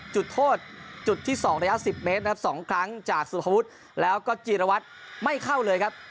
จุดโทษจุดที่๒ระยะ๑๐เมตรนะครับ๒ครั้งจากสุภวุฒิแล้วก็จีรวัตรไม่เข้าเลยครับ